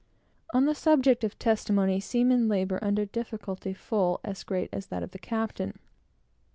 On the subject of testimony, seamen labor under a difficulty full as great as that of the captain.